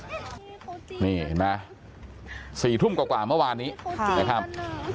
นี่เห็นไหม๔ทุ่มกว่าเมื่อวานนี้นะครับ